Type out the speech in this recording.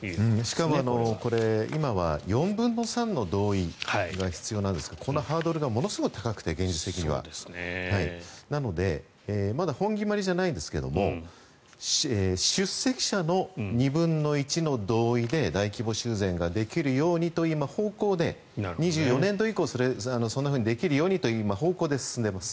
しかも、これ今は４分の３の同意が必要なんですがこのハードルがものすごく現実的に高くてなのでまだ本決まりじゃないですが出席者の２分の１の同意で大規模修繕ができるようにという今、方向で２４年度以降そんなふうにできるようにという方向で進んでいます。